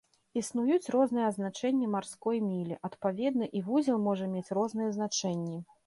Існуюць розныя азначэнні марской мілі, адпаведна, і вузел можа мець розныя значэнні.